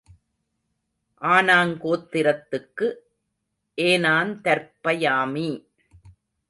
ஆனாங் கோத்திரத்துக்கு ஏனாந் தர்ப்பயாமி.